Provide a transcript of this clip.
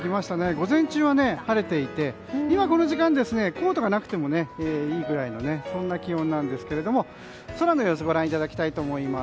午前中は晴れていて今、この時間はコートがなくてもいいくらいの気温なんですけど空の様子ご覧いただきたいと思います。